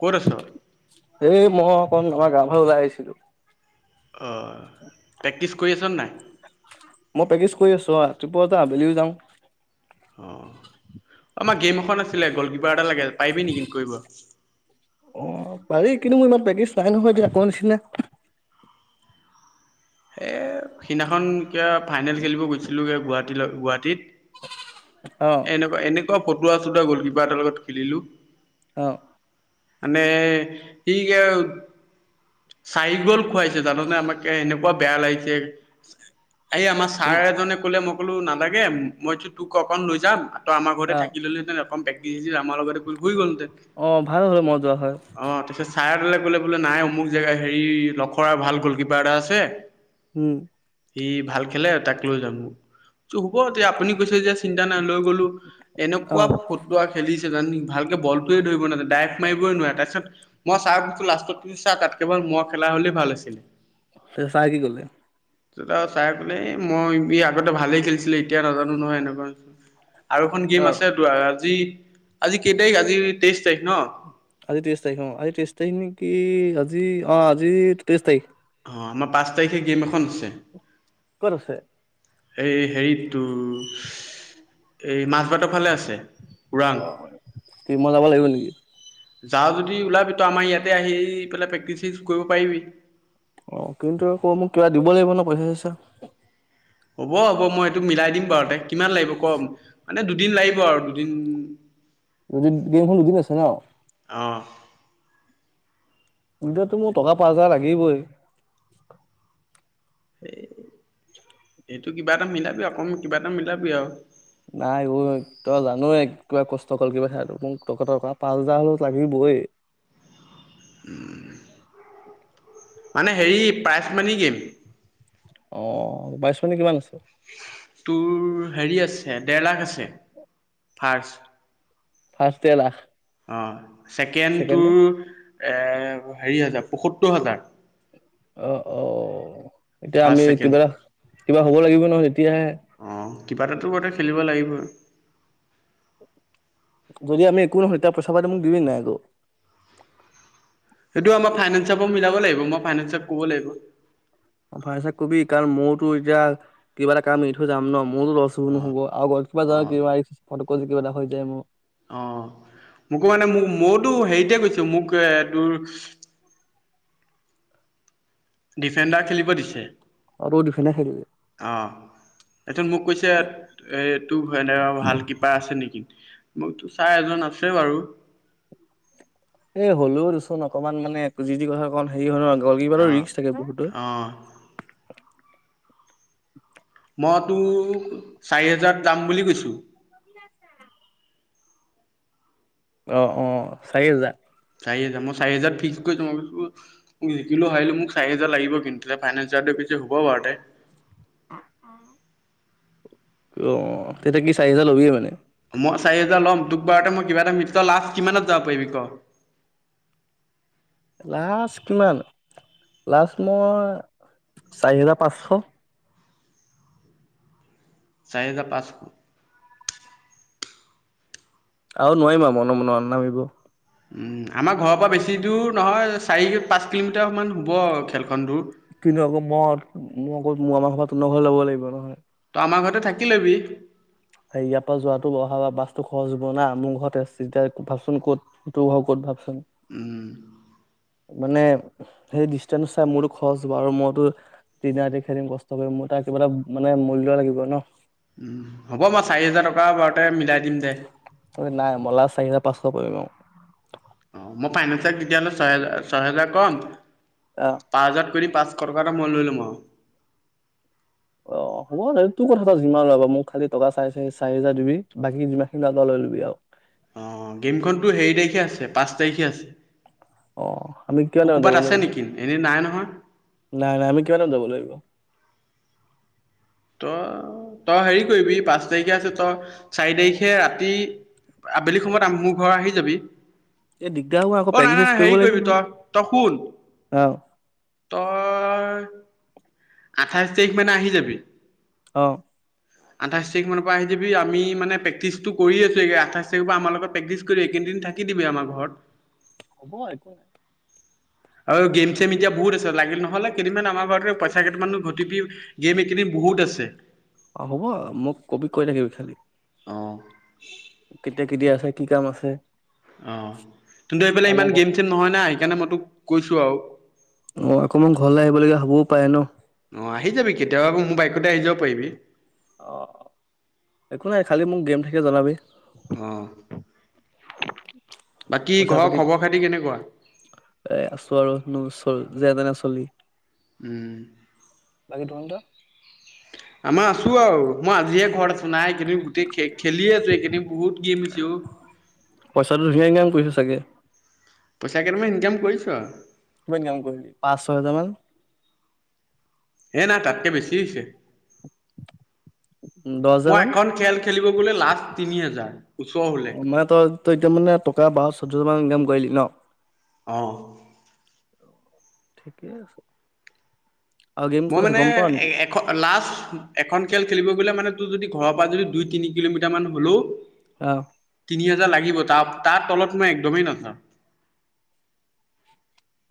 ক'ত আছ? এই মই অকন আমাৰ গাঁৱৰ ফালে ওলাই আহিছিলো। অ', প্ৰেক্টিছ কৰি আছনে নাই। মই প্ৰক্টিছ কৰি আছোঁ, ৰাতিপুৱাতে আবেলিও যাওঁ। অ', আমাৰ গে'ম এখন আছিলে গ'ল কিপাৰ এটা লাগে। পাৰিবি নেকি কৰিব। অ', পাৰি কিন্তু মোৰ ইমান প্ৰেক্টিছ নাই নহয় এতিয়া আগৰ নিচিনা। সেই সেইদিনাখন তিয়া ফাইনেল খেলিব গৈছিল গ গুৱাহাটীত অ এনেকু এনেকুৱা ফটো আচলতে গ'ল কীপাৰ এটা লগত খেলিলোঁ অ'। মানে। [unintelligible] চাৰি গল খুৱাইছে জানানে আমাকে এনেকুৱা বেয়া লাগিছে। এই আমাৰ কিন্তু ছাৰ এজনে কলে মই ক'লো নালাগে মইটো তোক ক'ৰবাত লৈ যাম। ত আমাৰ ঘৰতে অ থাকি ললেহেতেন প্ৰেক্টিছ সেক্টিছ আমাৰ লগতে হৈ গলহেঁতেন। অ', ভাল হ'ল মন যোৱা হয়। অ', ছাৰে ক'লে বোলে নাই অমুক জেগা হেৰি লখৰাত ভাল গ'লকিপাৰ এটা আছে উম। সি ভাল খেলে, তাক লৈ যাম। হ'ব এতিয়া আপুনি কৈছে যে চিন্তা নাই লৈ গ'লো, অ এনেকুৱা ফ [unintelligible] খেলিছে জান ভালকে বলটোৱে ধৰিব নোৱাৰে ডাইৰেক্ট মাৰিবই নোৱাৰে তাৰ পিছত মই ছাৰক কলো মই খেলা হ'লেই ভাল আছিল। চাৰে কি ক'লে চাৰে ক'লে এই মই আগতে ভালেই খেলিছিলোঁ এতিয়া নাজানো নহয় এনেকুৱা আৰু এখন অ গেম আছে ত আজি আজি কেই তাৰিখ আজি তেইশ তাৰিখ ন আজি তেইছ তাৰিখ অ আজি তেইছ তাৰিখ নেকি আজি অ আজি তেইছ তাৰিখ অ আমাৰ পাঁচ তাৰিখে গেম এখন আছে ক'ত আছে এই হেৰিটো এই মাছ বাটৰ ফালে আছে ওৰাং অ কি মই যাব লাগিব নেকি যাও যদি ওলাবি তো আমাৰ ইয়াতে আহি পেলাই প্ৰেক্টিচেছ কৰিব পাৰিবি অ কিন্তু আকৌ মোক কিবা দিব লাগিব ন পইচা চইচা হ'ব হ'ব মই এইটো মিলাই দিম বাৰু দে কিমান লাগিব কম মানে দুদিন লাগিব আৰু দুদিন দুদিন গেমখন দুদিন আছে ন অ তেতিয়াটো মোক টকা পাঁচ হাজাৰ লাগিবই এই এইটো কিবা এটা মিলাবি অকণমান কিবা এটা মিলাবি আৰু নাই অ তই জনোৱাই কিমান কষ্ট গ'ল কিপাৰ খেলাটো মোক টকা পাঁচ হাজাৰ হলেও লাগিবই মানে হেৰি প্ৰাইজ মানি গেম অ প্ৰাইজ মানি কিমান আছে তোৰ হেৰি আছে দেৰ লাখ আছে ফাৰ্ষ্ট ফাৰ্ষ্ট দেৰ লাখ অ ছেকেণ্ড ছেকেণ্ডৰ তোৰ এ হেৰি হাজাৰ পসত্তোৰ হাজাৰ অ অ এতিয়া আমি ফাৰ্ষ্ট ছেকেণ্ড কিবা এটা কিবা হ'ব লাগিব নহয় তেতিয়াহে অ কিবা এটাটো [unintelligible] খেলিব লাগিবই যদি আমি একো নহয় পইচা পাতি মোক দিবি নাই আকৌ সেইটো আমাৰ ফাইনেন্সৰ পৰা মিলাব লাগিব মই ফাইনেন্ঞ্চক ক'ব লাগিব অ ফাইনেন্সক কবি কাৰণ মইটো এতিয়া কিবা এটা কাম এৰি থৈ যাম ন মোৰটো লষ্ট হব নহব আও [unintelligible] অঁ [unintelligible] ফটকৈ কিবা এটা হৈ যায় মোৰ অ মোকো মানে মোৰটো হেৰিতে কৈছো মোক এ তোৰ ডিফেণ্ডাৰ খেলিব দিছে অ তইও ডিফেণ্ডাৰ খেলিবি অ এইটো মোক কৈছে এই তোৰ [unintelligible] ভাল কিপাৰ আছে নেকি ছাৰ এজন আছে বাৰু এই হ'লেও দেচোন অকনমান মানে যি যি কথা কওঁ হেৰি হয় ন গ'ল কিপাৰৰ অঁ ৰিক্স থাকে বহুতই অঁ মই তোক চাৰি হাজাৰত যাম বুলি কৈছোঁ [unintelligible] অ অ চাৰি হেজাৰ চাৰি হাজাৰ মই চাৰি হাজাৰ ফিক্স কৰিছো [unintelligible] জিকিলোঁ হাৰিলেও মোক চাৰি হাজাৰ লাগিব কিন্তু ফাইনেঞ্চত [unintelligible] অ অ অ তেতিয়া কি চাৰি হোজাৰ ল'বিয়ে মানে মই চাৰি হাজাৰ ল'ম তোকবাৰতে মই কিবা এটা মিক্স লাষ্ট কিমানত যাব পাৰিবি ক লাষ্ট কিমান লাষ্ট মই চাৰি হেজাৰ পাঁচশ চাৰিহাজাৰ পাচশ আৰু নোৱাৰিম মই মন মনত নামিব আমাৰ ঘৰৰ পৰা বেছি দূৰ নহয় চাৰি পাঁচ কিলোমিটাৰমান হ'ব আৰু খেলখন দূৰ কিন্তু আকৌ ম'ত মোৰ আকৌ মোৰ আমাৰ ঘৰ পা তোহুত ঘৰলে যাব লাগিব নহয়। তই আমাৰ ঘৰতে থাকি ল'বি। হেই ইয়াৰ পৰা যোৱাটো অহা বাছটো খৰচ হ'ব না মোৰ ঘৰত তেতিয়া ভাবচোন ক'ত টোৰ ঘৰ ক'ত ভাবচোন। উম। মানে সেই ডিষ্টেঞ্চ চাই মোৰতো খৰচ হ'ব আৰু মইতো দিনে ৰাতি খেদিম কষ্ট কৰিম, মোৰ তাৰ কিবা এটা মানে মূল্য লাগিব ন'। হ'ব মই চাৰি হোজাৰ টকা বাৰুতে মিলাই দিম দে। নাই মই লাচ চাৰি হাজাৰ পাঁচশ পৰিম আও অ' মই ফাইনেন্ঞ্চাক তিতিয়া হ'লে ছহেজাৰ ছহেজাৰ কম অ' পাঁচ হাজাৰ কৰি পাঁচশ টকা এটা মই লৈ ল'ম আও অঁ, হ'ব তোৰ কথা ক' যিমান লব পাৱ মোক খালি টকা চাৰছ চাৰি চাৰি হাজাৰ দিবি বাকি যিমান খিনি পাৱ তই লৈ ল'বি আও অঁ গেমিই খনতো হেৰি তাৰিখে আছে পাঁচ তাৰিখে আছে। অ আমি তো কিমান টাইমত ক'বাত যাব আছে লাগিব নেকি এনেই নাই নহয়। নাই নাই আমি কিমানত যাব লাগিব? তই তই হেৰি কৰিবি পাঁচ তাৰিখে আছে ত চাৰি তাৰিখে ৰাতি আবেলি সময়ত আম মোৰ ঘৰ আহি যাবি। এই দিগদাৰ হ'ব আকৌ অ' নাই প্ৰেক্টিচ নাই নাই চেক্টিচ কৰিব হেৰি লাগিব কৰিবি নহয় তই তই শুন অ তই আঠাইছ তাইখ মানে আহি যাবি। অঁ। [inaudible] আঠাইছ তাৰিখ মান পা আহি যাবি, আম মানে প্ৰে্টিছটো কৰি আছো আঠাই তাৰিখৰ পা আমাৰ লগত প্ৰেটিছ কৰি কেইদিন থাক থাকি দিবি আমাৰ ঘৰত। হ'ব একো নাই। আৰু গেইম চেইম এতিয়া বহুত আছে লাগিল নহ'লে কেইদিনান আমাৰ ঘৰতে পইচা কেইটামান ঘটিবি গেইম এইকেইদিন বহুত আছে। অঁ হ'ব মোক কবি কৈ থাকিবি খালি অ কেতিয়া কেতিয়া আছে কি কাম আছে? অঁ কিন্তু এইফেলে ইমান আমাৰ ঘৰ গেইম চেইম নহয় না সেইকাৰণে মই তোক কৈছোঁ আও অঁ অকৌ মই ঘৰলে আহিব লগীয়া হ'বও পাৰে ন'। অঁ আহি যাবি কেতিয়াবা ক' মোৰ বাইকতে আহি যাব পাৰিবি। অ' একো নাই খালি মোক গেইম থাকিলে জনাবি। অঁ বাকী পইচা ঘৰৰ পাতি খবৰ খাতি কেনেকুৱা? এ আছো আৰু ন' চ যে তেনে চলি উম। বাকী তহঁতৰ? আম আছো আও, মই আজিহে ঘৰত আছো নাই এইকেদিন তে খে খেলিয়ে আছো এইকেইদিন বহুত গেইম হৈছেঅও পইচাটো ধুনীয়া ইনকাম কৰিছ চাগে? পইচা কেইটা মান ইনকাম কৰিছোঁ আও কিমান ইনকাম কৰিলি, পাচ ছ হেজাৰ মান? হে নাই তাতকৈ বেছি হৈছে। দহ হাজাৰ মই মান এখন খেল খেলিব গ'লে লাভ তিনি হোজাৰ। মই তই ত এতিয়া মানে টকা বাৰ চধ্যশ মান ইনকাম কৰিলি ন। অঁ। ঠিকে আছে, আৰু গেম কত আছে গম পোৱা নি। এ লাষ্ট এখন খেল খেলিব গলে মানে তোৰ যদি ঘৰৰ পৰা যদি দুই তিনি কিলোমিটাৰ মান হলো অঁ। তিনি হাজাৰ লাগিবই, তাৰ তাৰ তলত মই একদমেই নাযাওঁ।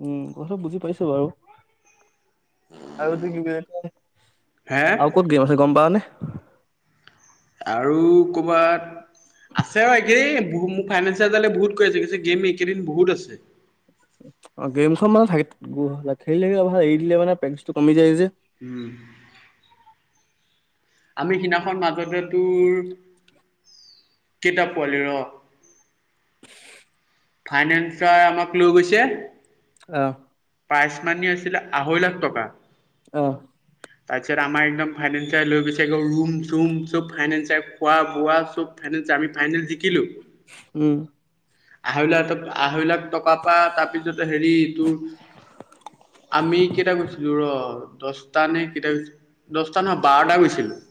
উম কথা বুজি পাইছো বাৰু, আৰু তুমি গৈ আছা নেকি? হে আৰু ক'ত গেম আছে, গম পাৱানে? আৰু কৰ'বাত আছে ব একেই মোৰ ফাইনেঞ্চিয়াৰডালে বহুত কৰি আছে গৈছে গেম কেইদিন বহুত আছে। অঁ গেমখন মানে থাক খেলি থাকে, অ এৰি দিলে মানে প্ৰেকটিচটো কমি যায় যে। উম। আমি সেইনাখন মাজতে তোৰ, কেইটা পোৱালি ৰ ফাইনেন্সাৰে আমাক লৈ গৈছে। অঁ। প্ৰাইজ মানি আছিলে, আঢ়ৈ লাখ টকা। অ। উম। তাৰপিছত আমাৰ একদম ফাইনেন্সিয়েল লৈ গৈছে, ৰুম চুম চব ফাইনেন্সিয়েল খোৱা বোৱা চব ফাইনেলত যে আমি ফাইনেল জিকিলোঁ। উম। আঢ়ৈ লাখ ট আঢ়ৈ লাখ টকা পা তাৰ পিছত হেৰি তোৰ আমি কেইটা গছিলো ৰ, দশ নে কেতিয়া গৈছিলো, দশটা নহয় বাৰটা গৈছিলো।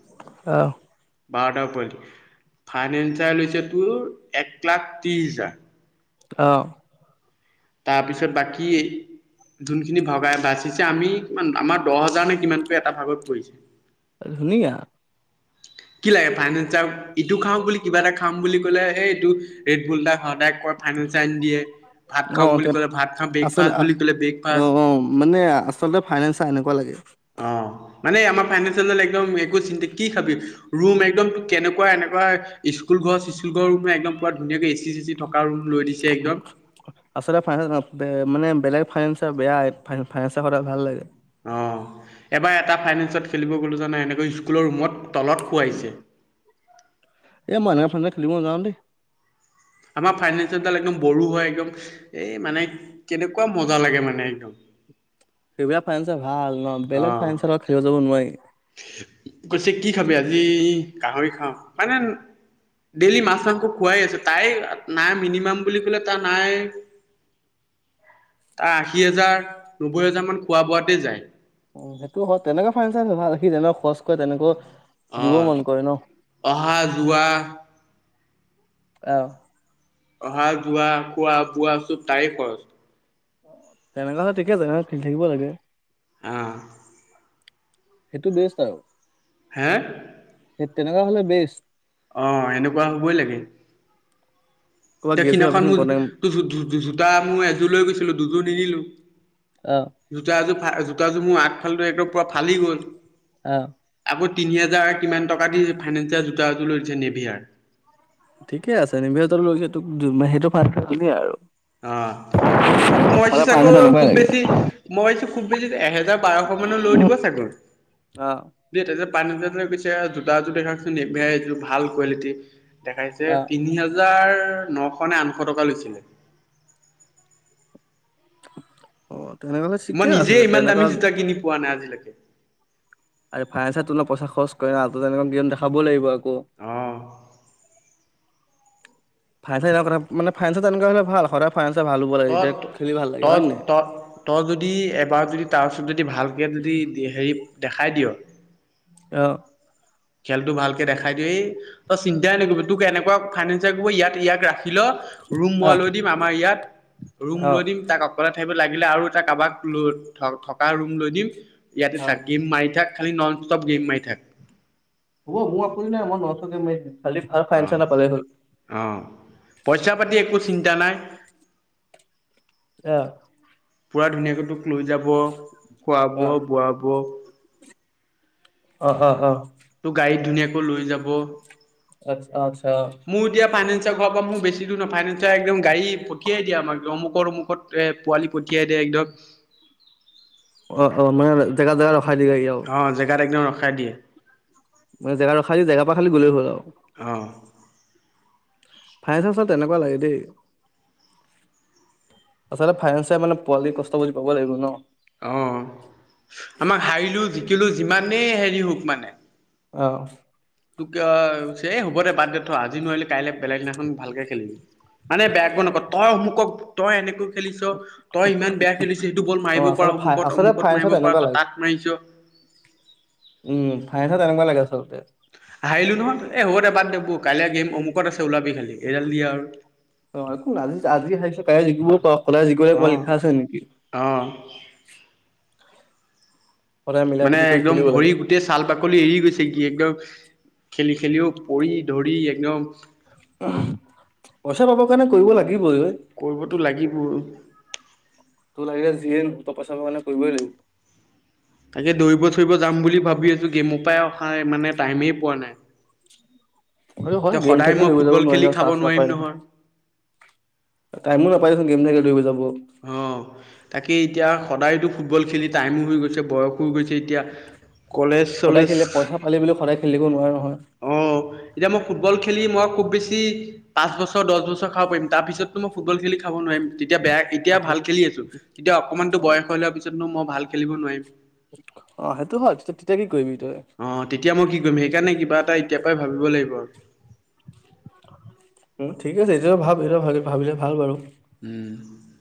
আহ বাৰটাৰ পোৱালী, ফাইনেন্ঞ্চিয়াৰ লৈ হৈছে তোৰ এক লাখ ত্ৰিছ হাজাৰ। অঁ। তাৰপিছত বাকী যোনখিনি ভগাই বাচিছে, আমি কিমান আমাৰ দশ হাজাৰ নে কিমানকৈ এটা ভাগত পৰিছে। ধুনীয়া। কি লাগে ফাইনেন্সাৰ ইটো খাওঁ বুলি কিবা এটা খাম বুলি কলে হেই এইটো ৰেড বুল্ট‌ এটা খাওঁতে ফাইনেন্সাৰে আনি দিয়ে। ভাত অ খাওঁ তে বুলি কলে ভাত খাবি, ব্ৰেকফাষ্ট বুলি ব্ৰেকফাষ্ট অঁ মানে আচলতে ফাইনেন্সাৰ এনেকুৱা লাগে। অঁ, মানে আমাৰ ফাইনেঞ্চিয়েল একদম একো চিন্তা কি খাবি। ৰুম একদম কেনেকুৱা এনেকুৱা স্কুল ঘৰ স্কুল ঘৰ ৰুমে একদম পুৰা ধুনীয়াকে এ চি চে চি থকা ৰুম লৈ দিছে একদম। আচলতে ফাইনেন্সাৰ মানে বেলেগ ফাইনেন্সাৰ বেয়া, এইটো ফাইনেন্সে সদায় ভাল লাগে। অঁ, এবাৰ এটা ফাইনেন্সাৰ খেলিব গলো, জানা এনেকৈ স্কুলৰ ৰুমত তলত শুৱাইছে। এই ম‌ই এনেকুৱা ফাইনেন্সাৰ খেলিব নাযাওঁ দেই। আমাৰ ফাইনেঞ্চিয়েলডাল একদম বড়ো হয়, একদম এই মানে কেনেকুৱা মজা লাগে মানে একদম। সেইবিলাক ফাইনেন্ঞ্চে ভাল ন, বেলেগ অ' ফাইনেন্ঞ্চাৰ লগত খেলিব যাব নোৱাৰি। কৈছে কি খাবি, আজি গাহৰি খাওঁ। মানে ডেইলি মাছ মাংস খোৱাই আছে, তাই নাই মিনিমাম বুলি কলে তাৰ নাই তাৰ আশী হাজাৰ, নব্বৈ হাজাৰ মান খোৱা বোৱাতে যায়। উম সেইটো হয়, তেনেকুৱা ফাইনেন্সাৰ ভাল, সি যেনেকা খৰচ কৰে তেনেকৈ দিবও অ'। মন কৰে ন। অহা যোৱা। অ, অহা-যোৱা, খোৱা-বোৱা চ'ব তাৰে খৰচ। তেনেকুৱা হয়, ঠিকে তেনেহ খেলি থাকিব লাগে। অ, সেইটো বেষ্ট আৰু। হে? সেই তেনেকুৱা হ'লে বেছ অ, এনেকুৱা হ'বই লাগে। ক'ৰবাত গেছ তেইখিদিনাখন ভাবিচোন মোৰ, কনেম ত জোতা মোৰ, এযোৰ লৈ গৈছিলো, দুযোৰ নিনিলো। অ, জোতা এযোৰা জোতাযোৰ, মোৰ আগফালেটো একদম পুৰা ফালি গ'ল। অ, আকৌ তিনি, হেজাৰ কিমান টকা দি ফাইনেন্সিয়াৰ, জোতা এযোৰ লৈ দিছে নেভিয়াৰ। ঠিকে আছে নিমবিহতৰ লৈ [inaudible] সেইটো ভাল, তুমিয়ে আৰু। অ, মই আছ, সদায় চাগ ফাইনেন্সাৰ তেনেকুৱাই খুব লাগে বেছি মই ভাবিছো খুব বেছি, এহেজাৰ বাৰশ মানৰ লৈ দিব চাগৈ। অ, দেই ত, যে পান গৈছে, জোতাযোৰ দেখকচো [inaudible] ভাল কোৱালিটিৰ। দেখাইছে, আহ তিনি হাজাৰ নশ নে, আঠশ টকা লৈছিলে। অ, তেনেহ'লে মই ঠিকে আছে, নিজে যে ইমান তেনেকুৱা দামী জোতা কিনি, পোৱা নাই আজিলৈকে। আৰু ফাইনেন্ঞ্চত তোমাৰ পইচা খৰচ কৰে না, ত তেনেকুৱা গেম দেখাবই লাগিব আকৌ। অ' [inaudible] এনেকুৱা হ'লে ভাল সদাই ফাইনেঞ্চত ভাল হ'ব। তই এতিয়া, খেলি ভাল লাগে তই হয় নে নাই? ত, তই যদি এবাৰ যদি তাৰপিছত যদি ভালকৈ যদি হেৰি দেখাই দিয়। অ, খেলতটো ভালকে দেখাই দিয়েই, তই চিন্তাই নকৰিবি তোক এনেকুৱা ফিনান্সাৰ কৰিব ইয়াত ইয়াক ৰাখ লত, ৰুম মই অ', লৈ দিম আমাৰ ইয়াত, ৰুম অ', লৈ দিম তাক অকলে থাকিব লাগিলে আৰু এটা কাৰোবাক লৈ থ- থকা ৰুম লৈ দিম ইয়াতে থাক গেম মাৰি থাক। খালি নন, ষ্টপ গেম মাই থাক। হ'ব মোৰ একো আপত্তি নাই, মই নন ষ্টপ গেম মাৰি থাকিম খালি অ ফাইন চ, নাপালে হ'ল। অ, পইচা-পাতি একো চিন্তা নাই। অ, পূৰা, ধুনীয়াকৈ তোক লৈ যাব খোৱাব অ', বোৱাব অ, হা, হা, তোক গাড়ীত ধুনীয়াকৈ লৈ যাব। [inaudible] মোৰ এতিয়া ফাইনেঞ্চল প্ৰব্লেম মোৰ বেছি দৰ নাই ফাইনেন্ঞ্চে একদম গাড়ী পঠিয়াই দিয়ে আমাক অমুকৰ- অমুকত। পোৱালি পঠিয়াই দিয়ে একদম অ, অ, মানে জেগ-জেগা ৰখাই দিয়েহি আৰু অ, জেগাত একদম ৰখাই দিয়ে। মানে জেগাত ৰখাই দিয়ে, জেগা পৰা খালি গলে হ'ল আৰু। অঁ। ফাইছেন্সন তেনেকুৱা লাগে দেই। আচলতে ফাইনেঞ্চয়ে মানে পোৱালিৰ কষ্ট বুজি পাব লাগিব ন। অঁ আমাক হাৰিলোঁ জিকিলোঁ যিমানেই হেৰি হওক মানে। অঁ। তোক অ হ'ব দে বাদ দে থ আজি নোৱাৰিলে কাইলে বেলেগ দিনাখন ভালকে খেলিবি। মানে বেয়াকৈ নক তই অমুকক তই এনেকৈ খেলিছ। তই ইমান বেয়া খেলিছিল, সেইটো বল মাৰিব অ', পাৰ আচলতে ফাই অমুকত আচলতে অমুকত ফাইনেল চাই মাৰিব পাৰ তেনেকুৱা তই লাগে তাত মাৰিছ। উম [unintelligible] তেনেকুৱা লাগে আচলতে। হাৰিলো নহয়, এ হ'ব দে বাদ এইবোৰ কাইলে গেম অমুকত আছে ওলাবি খালি, এডাল দিয়া আৰু অ একো নাই, আজি আজি হাৰিছ কাইলে জিকিবও পাৰ, সদায় জিকিব লাগিব বুলি লিখা আছে নেকি। অঁ। সদায় মিলা মানে প্ৰীতি কৰি একদম খেলিব লাগে ভৰি তেই ছাল বাকলি এৰি গৈছে, কি একদম খেলি খেলিও পৰি ধৰি একদম পইচা পাবৰ কাৰণে কৰিব লাগিবই। কৰিবতো লাগিব। তোৰ লাগিলে যিয়ে তই পইচা পাবলে কৰিবই লাগিব। তাকে দৌৰিব চৌৰিব যাম বুলি ভাবি আছো গেমৰ পৰাই আও মানে টাইমেই পোৱা নাই। কথাটো তে হয় গেম সদায় থাকিলে মই দৌৰিব যাব ফুটবল নোৱাৰি খেলি নহয়, খাব চাঞ্চ নোৱাৰিম নাপায় নহয়। টাইমো নাপায় দেচোন গেম থাকিলে দৌৰিব যাব। অঁহ। তাকেই এতিয়া সদায়তো ফুটবল খেলি টাইমো হৈ গৈছে বয়সো হৈ গৈছে এতিয়া। কলেজ সদায় খেলিলে চলেজ পইচা পালে বুলিয়ে সদায় খেলি থাকিব নোৱাৰে নহয়। অ এতিয়া মই ফুটবল খেলি মই খুব বেছি পাঁচ বছৰ, দছ বছৰ খাব পাৰিম তাৰ পিছততো মই ফুটবল খেলি খাব নোৱাৰিম, তেতিয়া বেয়া- অ এতিয়া সেই ভাল খেলি আছো, তেতিয়া অকমানতো বয়স হৈ লোৱাৰ পিছতনো মই ভাল খেলিব নোৱাৰিম। [inaudible] হয় তেতিয়া কি কৰিবি তই অৱতেতিয়া মই কি কৰিম? সেইকাৰণে কিবা এটা এতিয়াৰ পৰাই ভাবিব লাগিব আৰু। উ ঠিক আছ, এতিয়া ভাব এতিয়া ভ ভাবিলে ভাল বাৰু। উম।